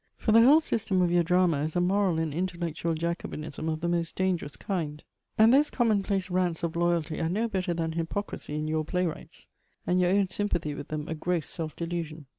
For the whole system of your drama is a moral and intellectual Jacobinism of the most dangerous kind, and those common place rants of loyalty are no better than hypocrisy in your playwrights, and your own sympathy with them a gross self delusion.